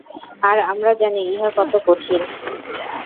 আর আমরা জানি, ইহা কত কঠিন।